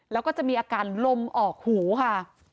แล้วก็จะมีอาการลมออกหูค่ะ